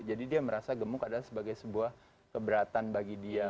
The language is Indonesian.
jadi dia merasa gemuk adalah sebagai sebuah keberatan bagi dia